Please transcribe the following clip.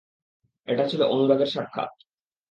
এটা ছিল অনুরাগের সাক্ষাৎ।